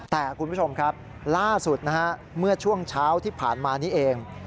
แต่คุณผู้ชมครับล่าสุดนะฮะเมื่อช่วงเช้าที่ผ่านมานี้เอง